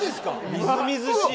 みずみずしい。